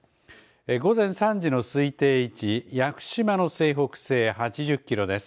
午前３時の推定位置屋久島の西北西８０キロです。